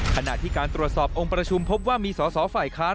ขณะที่การตรวจสอบองค์ประชุมพบว่ามีสอสอฝ่ายค้าน